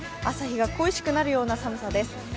朝日が恋しくなるような寒さです。